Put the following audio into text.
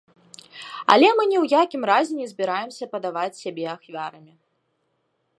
Але мы ні ў якім разе не збіраемся падаваць сябе ахвярамі.